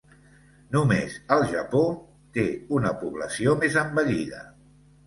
Només el Japó té una població més envellida.